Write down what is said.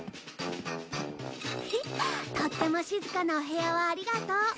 とっても静かなお部屋をありがとう。